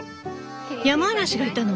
ヤマアラシがいたの？